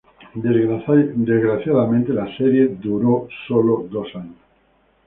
Desgraciadamente, la serie salió solo dos años.